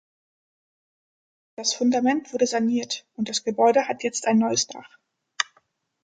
Das Fundament wurde saniert, und das Gebäude hat jetzt ein neues Dach.